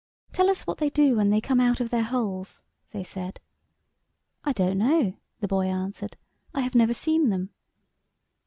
"Tell us what they do when they come out of their holes," they said. " I don't know," the boy answered. " I have never seen them."